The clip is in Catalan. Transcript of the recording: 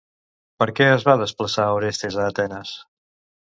Per què es va desplaçar Orestes a Atenes?